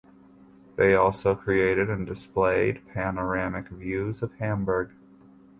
They also created and displayed panoramic views of Hamburg.